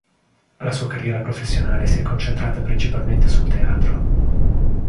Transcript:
La sua carriera professionale si è concentrata principalmente sul teatro.